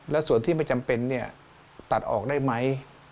และส่วนที่ไม่จำเป็นเนี่ยตัดออกได้ไหม